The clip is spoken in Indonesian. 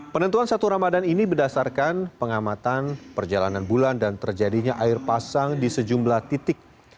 penentuan satu ramadhan ini berdasarkan pengamatan perjalanan bulan dan terjadinya air pasang di sejumlah titik